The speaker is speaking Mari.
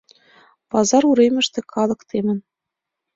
Пазар уремыште калык темын.